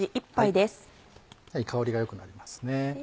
香りが良くなります。